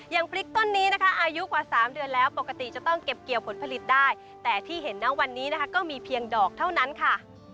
พริกต้นนี้นะคะอายุกว่า๓เดือนแล้วปกติจะต้องเก็บเกี่ยวผลผลิตได้แต่ที่เห็นนะวันนี้นะคะก็มีเพียงดอกเท่านั้นค่ะ